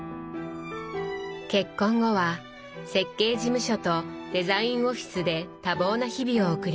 結婚後は設計事務所とデザインオフィスで多忙な日々を送ります。